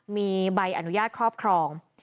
มีใบอนุญาตครอบครอง